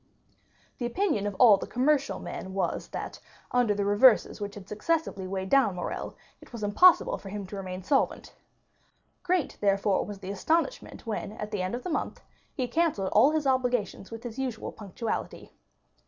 The opinion of all the commercial men was that, under the reverses which had successively weighed down Morrel, it was impossible for him to remain solvent. Great, therefore, was the astonishment when at the end of the month, he cancelled all his obligations with his usual punctuality.